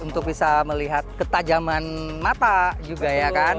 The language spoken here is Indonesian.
untuk bisa melihat ketajaman mata juga ya kan